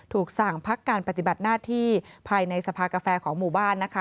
ถูกสั่งพักการปฏิบัติหน้าที่ภายในสภากาแฟของหมู่บ้านนะคะ